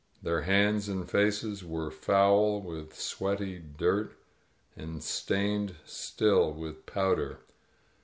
Their hands and faces were foul with sweaty dirt and stained still with powder.